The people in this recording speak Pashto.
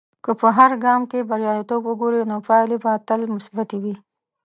که په هر ګام کې بریالیتوب وګورې، نو پایلې به تل مثبتي وي.